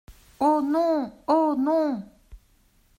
Oh non ! oh non !